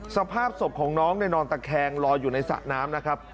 สภาพศพของน้องนอนตะแคงลอยอยู่ในสระน้ำนะครับ